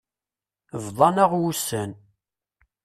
Bḍan-aɣ wussan.